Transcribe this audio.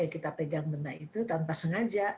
kita pegang benda itu tanpa sengaja